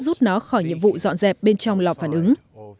rút nó khỏi nhiệm vụ dọn dẹp bên trong lò phản ứng